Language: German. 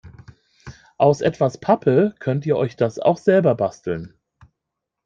Aus etwas Pappe könnt ihr euch das auch selber basteln.